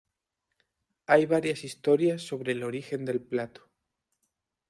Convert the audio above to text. Hay varias historias sobre el origen del plato.